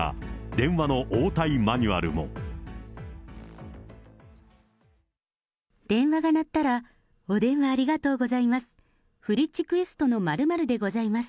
電話が鳴ったら、お電話ありがとうございます。